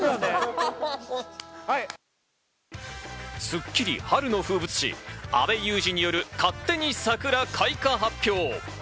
『スッキリ』春の風物詩、阿部祐二による勝手に桜開花発表。